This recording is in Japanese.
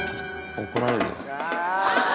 怒られるよ。